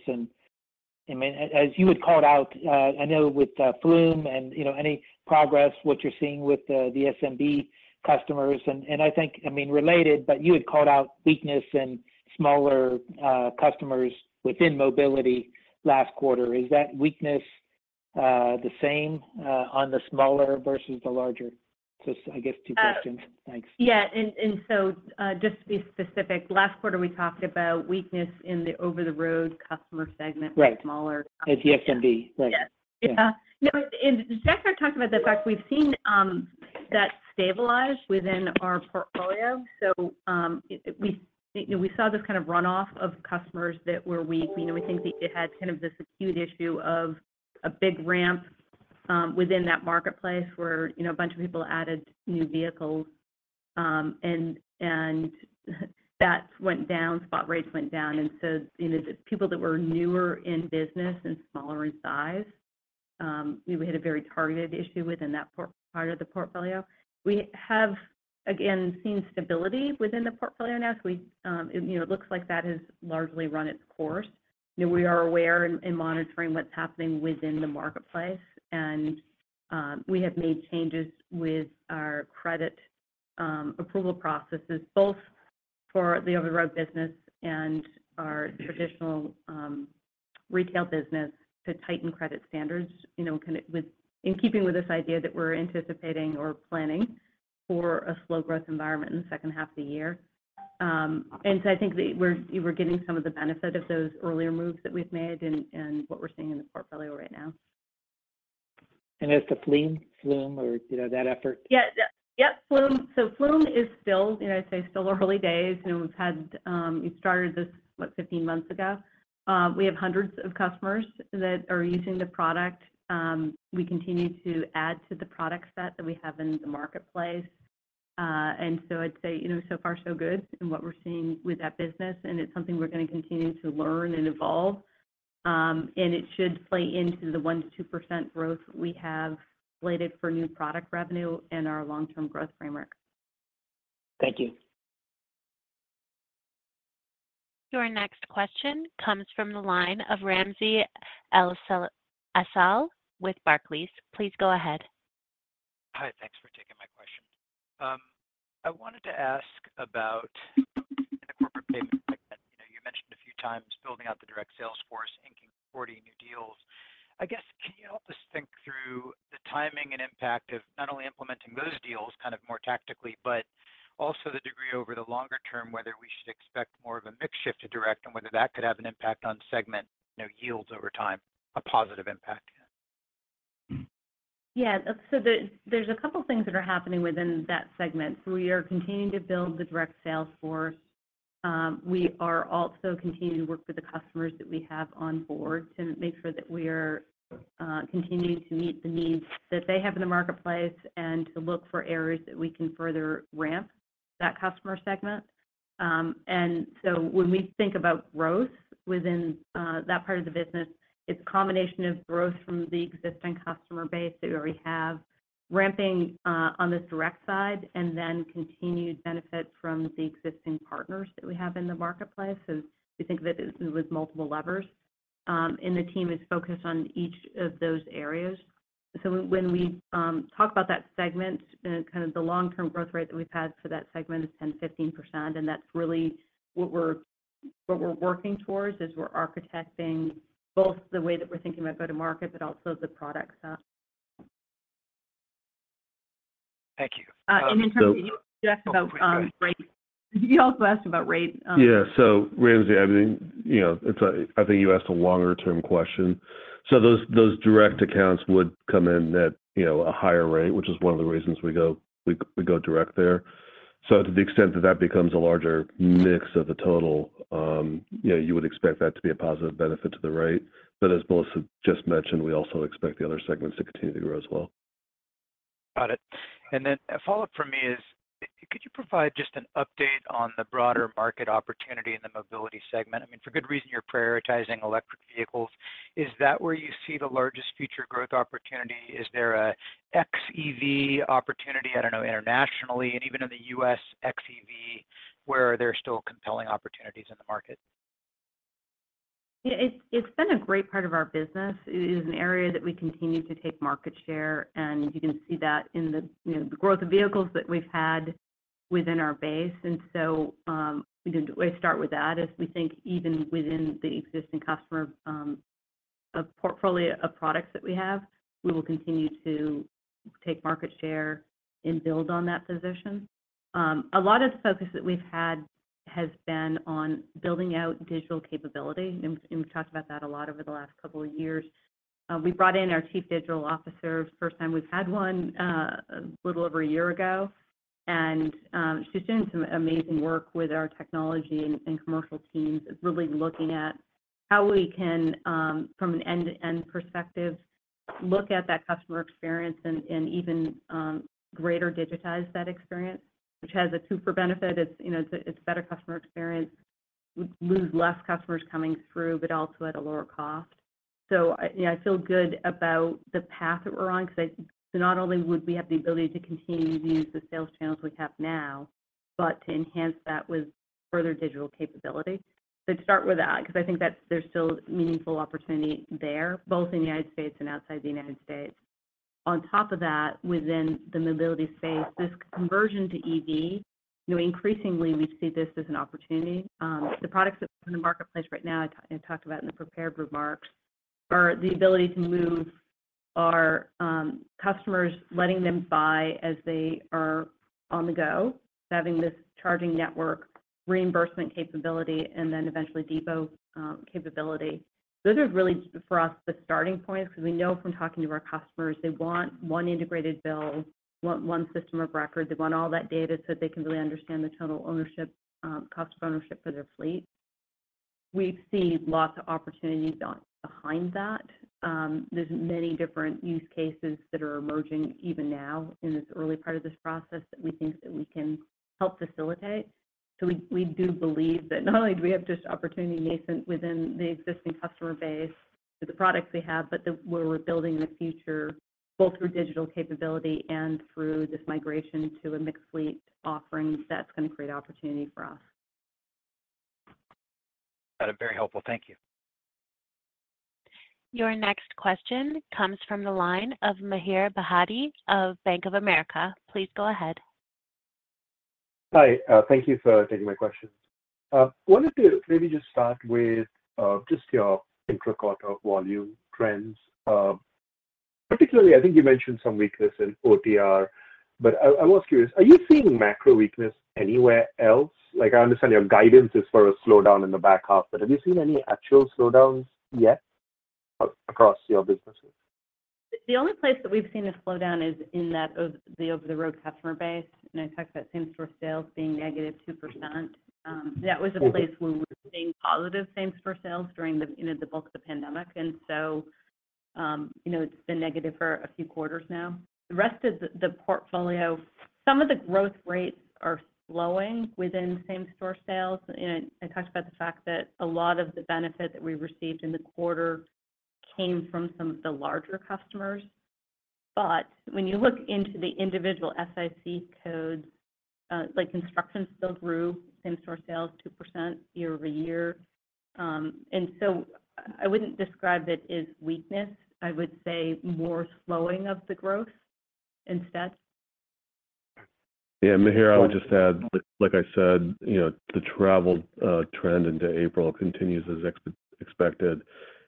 I mean, as you had called out, I know with Flume and, you know, any progress, what you're seeing with the SMB customers. I mean, related, but you had called out weakness in smaller customers within mobility last quarter. Is that weakness the same on the smaller versus the larger? Just, I guess, two questions. Thanks. Yeah. Just to be specific, last quarter we talked about weakness in the over-the-road customer segment- Right for smaller customers. It's SMB, right. Yes. Yeah. No, Jeff started talking about the fact we've seen, that stabilize within our portfolio. We, you know, we saw this kind of runoff of customers that were weak. You know, we think it had kind of this acute issue of a big ramp, within that marketplace where, you know, a bunch of people added new vehicles. That went down, spot rates went down. You know, just people that were newer in business and smaller in size, we hit a very targeted issue within that part of the portfolio. We have, again, seen stability within the portfolio now. We, you know, it looks like that has largely run its course. You know, we are aware and monitoring what's happening within the marketplace and we have made changes with our credit approval processes, both for the over-the-road business and our traditional retail business to tighten credit standards, you know, in keeping with this idea that we're anticipating or planning for a slow growth environment in the second half of the year. I think that we're getting some of the benefit of those earlier moves that we've made and what we're seeing in the portfolio right now. has the Flume or, you know, that effort... Yeah. Yeah. Yep. Flume is still, you know, I'd say still early days. You know, we've had, we started this, what? 15 months ago. We have hundreds of customers that are using the product. We continue to add to the product set that we have in the marketplace. I'd say, you know, so far so good in what we're seeing with that business, and it's something we're gonna continue to learn and evolve. It should play into the 1%-2% growth we have slated for new product revenue and our long-term growth framework. Thank you. Your next question comes from the line of Ramsey El-Assal with Barclays. Please go ahead. Hi. Thanks for taking my question. I wanted to ask about in the corporate payment segment, you know, you mentioned a few times building out the direct sales force, inking 40 new deals. I guess, can you help us think through the timing and impact of not only implementing those deals kind of more tactically, but also the degree over the longer term, whether we should expect more of a mix shift to direct, and whether that could have an impact on segment, you know, yields over time, a positive impact? There's a couple things that are happening within that segment. We are continuing to build the direct sales force. We are also continuing to work with the customers that we have on board to make sure that we are continuing to meet the needs that they have in the marketplace and to look for areas that we can further ramp that customer segment. When we think about growth within that part of the business, it's a combination of growth from the existing customer base that we already haveRamping, on this direct side and then continued benefit from the existing partners that we have in the marketplace. We think that it was multiple levers, and the team is focused on each of those areas. When we talk about that segment and kind of the long-term growth rate that we've had for that segment is 10%-15%, and that's really what we're working towards, is we're architecting both the way that we're thinking about go-to-market, but also the product side. Thank you. You asked about rate. You also asked about rate. Yeah. Ramsey, I mean, you know, I think you asked a longer term question. Those direct accounts would come in at, you know, a higher rate, which is one of the reasons we go direct there. To the extent that that becomes a larger mix of the total, you know, you would expect that to be a positive benefit to the rate. As Melissa just mentioned, we also expect the other segments to continue to grow as well. Got it. A follow-up from me is, could you provide just an update on the broader market opportunity in the mobility segment? I mean, for good reason, you're prioritizing electric vehicles. Is that where you see the largest future growth opportunity? Is there a xEV opportunity, I don't know, internationally and even in the U.S. xEV, where there are still compelling opportunities in the market? Yeah, it's been a great part of our business. It is an area that we continue to take market share, and you can see that in the, you know, the growth of vehicles that we've had within our base. we can always start with that as we think even within the existing customer portfolio of products that we have, we will continue to take market share and build on that position. a lot of the focus that we've had has been on building out digital capability, and we've talked about that a lot over the last couple of years. we brought in our chief digital officer, first time we've had one, a little over a year ago. She's doing some amazing work with our technology and commercial teams really looking at how we can, from an end-to-end perspective, look at that customer experience and even greater digitize that experience, which has a super benefit. It's, you know, it's better customer experience. We lose less customers coming through, but also at a lower cost. I, you know, I feel good about the path that we're on because not only would we have the ability to continue to use the sales channels we have now, but to enhance that with further digital capability. To start with that, because I think there's still meaningful opportunity there, both in the United States and outside the United States. On top of that, within the mobility space, this conversion to EV, you know, increasingly we see this as an opportunity. The products that are in the marketplace right now, I talked about in the prepared remarks, are the ability to move our customers, letting them buy as they are on the go, having this charging network reimbursement capability, then eventually depot capability. Those are really for us, the starting points, because we know from talking to our customers, they want one integrated bill, one system of record. They want all that data so that they can really understand the total ownership cost of ownership for their fleet. We see lots of opportunities behind that. There's many different use cases that are emerging even now in this early part of this process that we think that we can help facilitate. We do believe that not only do we have just opportunity nascent within the existing customer base for the products we have, but that where we're building the future, both through digital capability and through this migration to a mixed fleet offering, that's gonna create opportunity for us. Got it. Very helpful. Thank you. Your next question comes from the line of Mihir Bhatia of Bank of America. Please go ahead. Hi. Thank you for taking my questions. Wanted to maybe just start with just your intra-quarter volume trends. Particularly, I think you mentioned some weakness in OTR, but I was curious, are you seeing macro weakness anywhere else? Like, I understand your guidance is for a slowdown in the back half, but have you seen any actual slowdowns yet across your businesses? The only place that we've seen a slowdown is in that over-the-road customer base. I talked about same store sales being negative 2%. That was a place where we were seeing positive same store sales during the, you know, the bulk of the pandemic. You know, it's been negative for a few quarters now. The rest of the portfolio, some of the growth rates are slowing within same store sales. I talked about the fact that a lot of the benefit that we received in the quarter came from some of the larger customers. When you look into the individual SIC codes, like construction still grew same store sales 2% year-over-year. I wouldn't describe it as weakness. I would say more slowing of the growth instead. Yeah. Mihir, I would just add, like I said, you know, the travel trend into April continues as expected,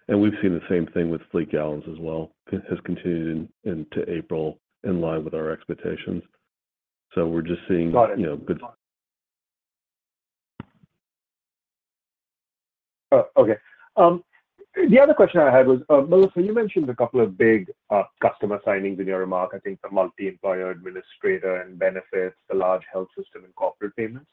and we've seen the same thing with fleet gallons as well. It has continued into April in line with our expectations. We're just seeing. Got it.... you know. Okay. The other question I had was Melissa, you mentioned a couple of big customer signings in your remark. I think the multi-employer administrator and benefits, the large health system and corporate payments.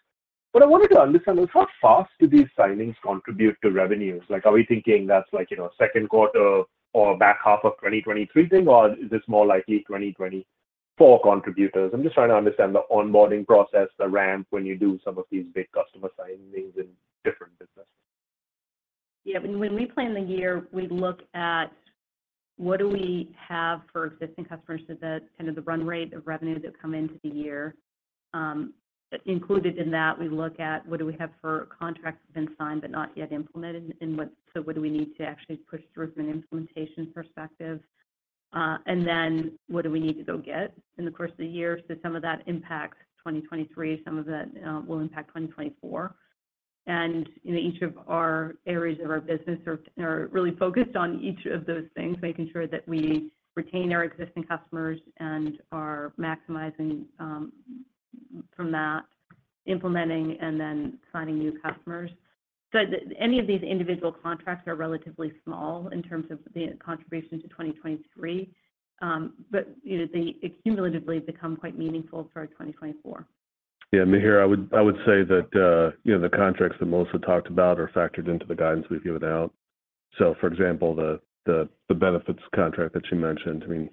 What I wanted to understand was how fast do these signings contribute to revenues? Are we thinking that's like, you know, second quarter or back half of 2023 thing, or is this more likely 2024 contributors? I'm just trying to understand the onboarding process, the ramp when you do some of these big customer signings in different businesses. When we plan the year, we look at what do we have for existing customers so that kind of the run rate of revenue that come into the year. Included in that we look at what do we have for contracts that have been signed but not yet implemented, and so what do we need to actually push through from an implementation perspective. Then what do we need to go get in the course of the year. Some of that impacts 2023, some of that will impact 2024. You know, each of our areas of our business are really focused on each of those things, making sure that we retain our existing customers and are maximizing from that, implementing and then finding new customers. Any of these individual contracts are relatively small in terms of the contribution to 2023. You know, they accumulatively become quite meaningful for our 2024. Yeah, Mihir, I would say that, you know, the contracts that Melissa talked about are factored into the guidance we've given out. For example, the benefits contract that you mentioned, I mean,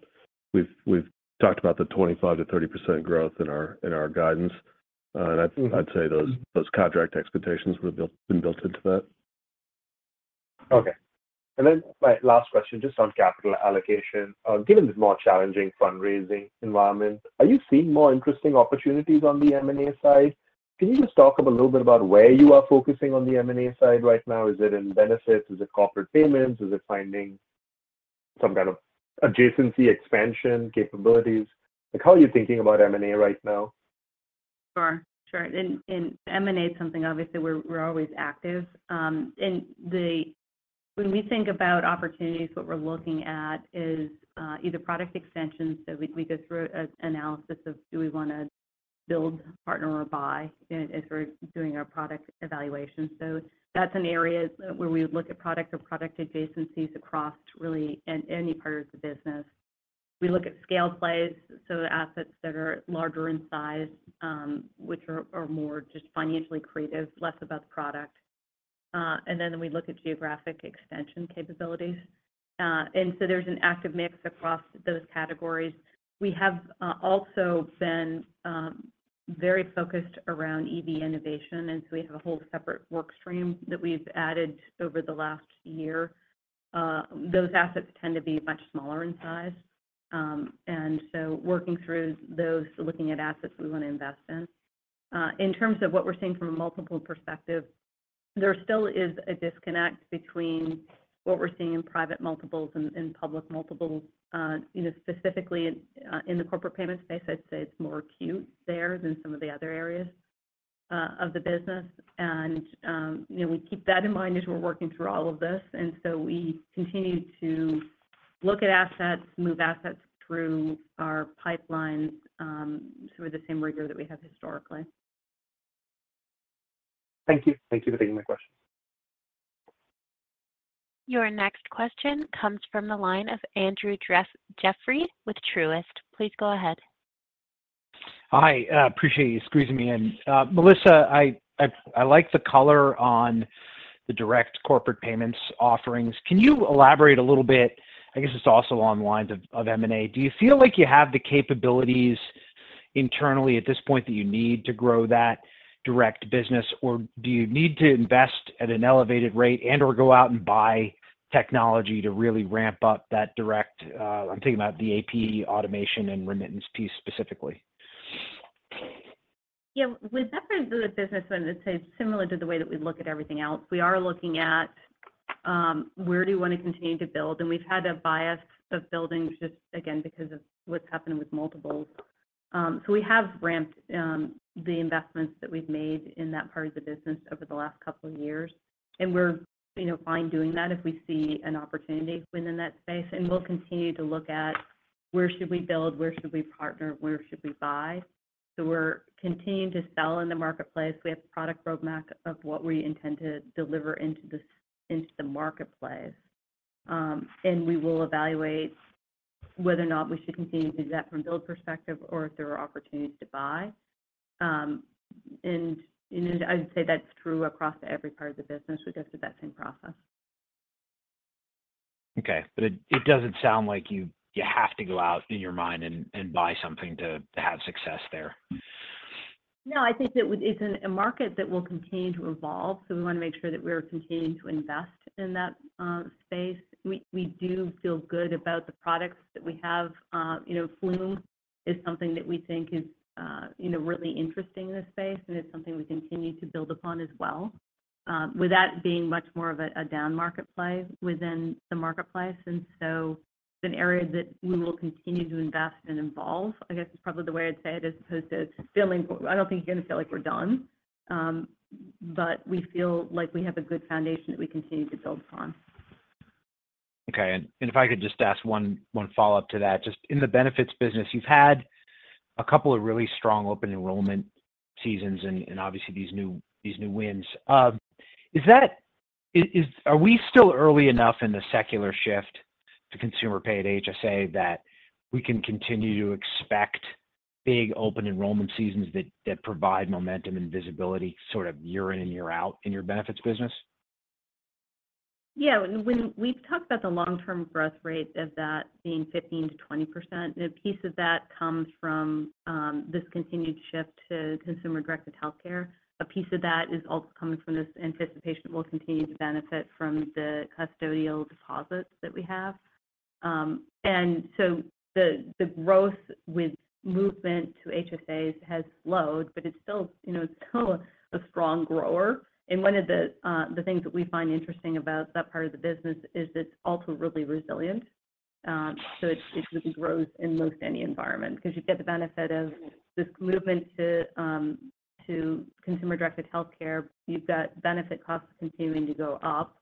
we've talked about the 25%-30% growth in our guidance. I'd say those contract expectations would have been built into that. Okay. My last question, just on capital allocation. Given the more challenging fundraising environment, are you seeing more interesting opportunities on the M&A side? Can you just talk a little bit about where you are focusing on the M&A side right now? Is it in benefits? Is it corporate payments? Is it finding some kind of adjacency expansion capabilities? Like, how are you thinking about M&A right now? Sure, sure. M&A is something, obviously, we're always active. When we think about opportunities, what we're looking at is either product extensions. We go through a analysis of do we wanna build, partner or buy as we're doing our product evaluation. That's an area where we would look at product or product adjacencies across really any part of the business. We look at scale plays, so the assets that are larger in size, which are more just financially creative, less about the product. We look at geographic extension capabilities. There's an active mix across those categories. We have also been very focused around EV innovation, we have a whole separate work stream that we've added over the last year. Those assets tend to be much smaller in size. Working through those, looking at assets we want to invest in. In terms of what we're seeing from a multiple perspective, there still is a disconnect between what we're seeing in private multiples and public multiples. You know, specifically in the corporate payment space, I'd say it's more acute there than some of the other areas of the business. You know, we keep that in mind as we're working through all of this. We continue to look at assets, move assets through our pipeline, through the same rigor that we have historically. Thank you. Thank you for taking my question. Your next question comes from the line of Andrew Jeffrey with Truist. Please go ahead. Hi, appreciate you squeezing me in. Melissa, I like the color on the direct corporate payments offerings. Can you elaborate a little bit, I guess it's also along the lines of M&A? Do you feel like you have the capabilities internally at this point that you need to grow that direct business? Or do you need to invest at an elevated rate and/or go out and buy technology to really ramp up that direct, I'm thinking about the AP automation and remittance piece specifically? Yeah. With that part of the business, I'd say it's similar to the way that we look at everything else. We are looking at where do we wanna continue to build. We've had a bias of building just again because of what's happened with multiples. We have ramped the investments that we've made in that part of the business over the last couple of years. We're, you know, fine doing that if we see an opportunity within that space. We'll continue to look at where should we build, where should we partner, where should we buy. We're continuing to sell in the marketplace. We have a product roadmap of what we intend to deliver into the marketplace. We will evaluate whether or not we should continue to do that from build perspective or if there are opportunities to buy. I would say that's true across every part of the business. We go through that same process. Okay. It doesn't sound like you have to go out in your mind and buy something to have success there. No, I think that it's a market that will continue to evolve, so we want to make sure that we're continuing to invest in that space. We do feel good about the products that we have. You know, Flume is something that we think is, you know, really interesting in this space, and it's something we continue to build upon as well. With that being much more of a down marketplace within the marketplace, it's an area that we will continue to invest and evolve, I guess is probably the way I'd say it, as opposed to feeling I don't think you're gonna feel like we're done. But we feel like we have a good foundation that we continue to build upon. Okay. If I could just ask one follow-up to that. Just in the benefits business, you've had a couple of really strong open enrollment seasons and obviously these new wins. Are we still early enough in the secular shift to consumer-paid HSA that we can continue to expect big open enrollment seasons that provide momentum and visibility sort of year in and year out in your benefits business? Yeah. When we've talked about the long-term growth rate of that being 15%-20%, a piece of that comes from this continued shift to consumer-directed healthcare. A piece of that is also coming from this anticipation that we'll continue to benefit from the custodial deposits that we have. The growth with movement to HSAs has slowed, but it's still, you know, it's still a strong grower. One of the things that we find interesting about that part of the business is it's also really resilient. It really grows in most any environment because you get the benefit of this movement to consumer-directed healthcare. You've got benefit costs continuing to go up,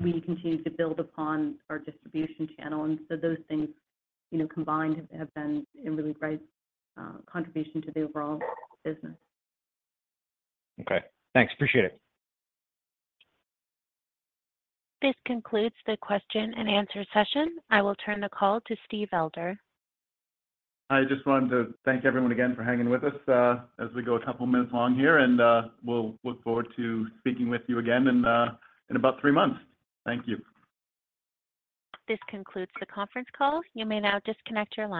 we continue to build upon our distribution channel. Those things, you know, combined have been a really great contribution to the overall business. Okay. Thanks. Appreciate it. This concludes the question and answer session. I will turn the call to Steve Elder. I just wanted to thank everyone again for hanging with us, as we go a couple minutes long here, and, we'll look forward to speaking with you again in about 3 months. Thank you. This concludes the conference call. You may now disconnect your line.